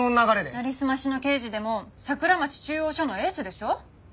なりすましの刑事でも桜町中央署のエースでしょ。